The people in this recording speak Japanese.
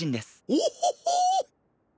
おっ？